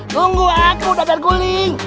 tunggu aku dadar guling